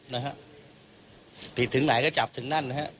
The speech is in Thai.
นะฮะผิดถึงไหนก็จับถึงนั่นนะฮะ